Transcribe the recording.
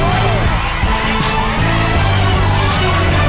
มาหน่อยนะครับ